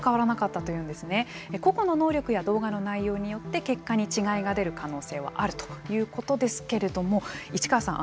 個々の能力や動画の内容によって結果に違いが出る可能性はあるということですけれども一川さん